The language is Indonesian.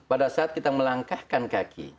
pada saat kita melangkahkan kaki